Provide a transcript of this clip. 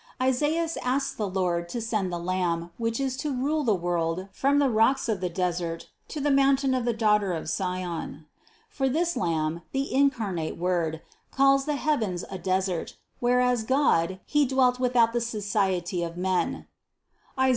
Isaias asks the Lord to send the Lamb, which is to rule the world from the rocks of the desert to the mountain of the daughter of Sion ; for this Lamb, the incarnate Word, calls the heavens a desert, where as God He dwelt without the society of men (Is.